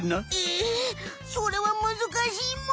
ええそれはむずかしいむ。